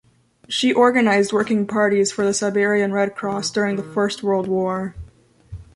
She organised working parties for the Serbian Red Cross during the First World War.